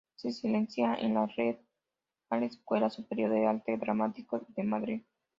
Se licencia en la Real Escuela Superior de Arte Dramático de Madrid.